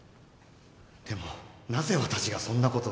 でもなぜ私がそんなことを？